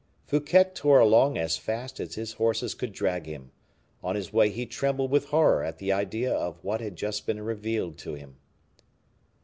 Fouquet tore along as fast as his horses could drag him. On his way he trembled with horror at the idea of what had just been revealed to him.